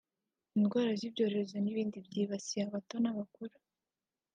indwara z’ibyorezo n’ibindi byibasiye abato n’abakuru